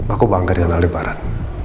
aku bangga dengan ali barat